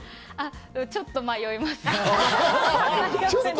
ちょっと迷います。